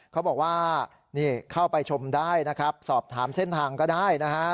เขาบอกว่านี่เข้าไปชมได้นะครับสอบถามเส้นทางก็ได้นะฮะ